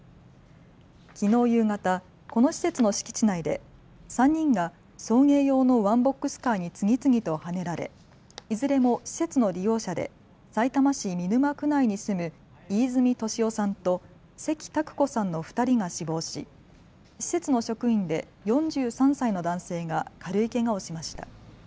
きのう夕方、この施設の敷地内で３人が送迎用のワンボックスカーに次々とはねられいずれも施設の利用者でさいたま市見沼区内に住む飯泉利夫さんと関拓子さんの２人が死亡し、施設の職員で４３歳の男性が軽いけがをしました。